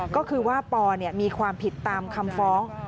ก็คือว่าปมีความผิดตามคำฟ้อง